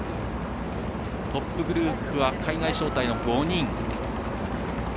トップグループは海外招待の５人。